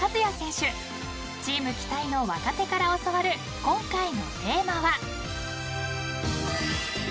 ［チーム期待の若手から教わる今回のテーマは］